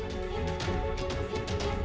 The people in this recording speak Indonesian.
tim liputan syedna indonesia